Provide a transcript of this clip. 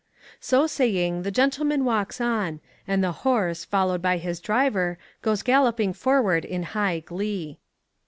So saying, the gentleman walks on, and the horse, followed by his driver, goes galloping forward in high glee.